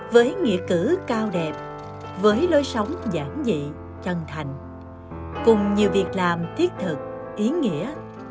với nghĩa cử cao đẹp với lối sống giản dị chân thành cùng nhiều việc làm thiết thực ý nghĩa